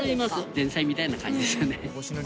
前菜みたいな感じですよね。